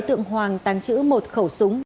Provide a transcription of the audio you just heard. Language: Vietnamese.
đối tượng hoàng tàng trữ một khẩu súng